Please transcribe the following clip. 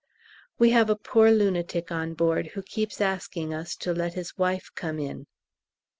We have a poor lunatic on board who keeps asking us to let his wife come in.